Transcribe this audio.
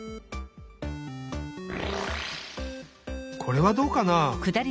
これはどうかな？